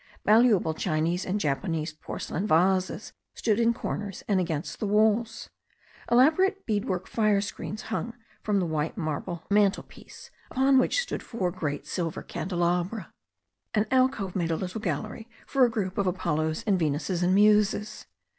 Valuable Chinese and Japanese porcelain vases stood in comers and against the walls. Elaborate beadwork fire screens hung from the white marble mantelpiece, upon which stood four great silver candelabra. THE STORY OF A NEW ZEALAND RIVER 47 An alcove made a little gallery for a group of Apollos and Venuses and Muses.